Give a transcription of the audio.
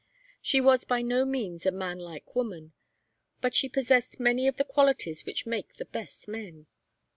She was by no means a manlike woman, but she possessed many of the qualities which make the best men.